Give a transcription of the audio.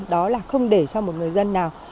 đó là không để cho một người dân nào